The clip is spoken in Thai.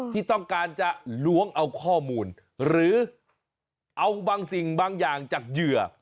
ที่ต้องการจะล้วงเอาข้อมูลหรือเอาบางสิ่งบางอย่างจากเหยื่อ